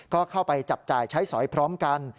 ก็เข้าไปจับจ่ายใช้สอยพร้อมกัน